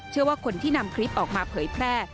เชื่อว่าคนที่นำคลิปออกมาเผยแพร่